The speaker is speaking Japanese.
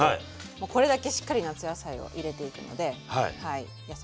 もうこれだけしっかり夏野菜を入れていくので野菜もとれます。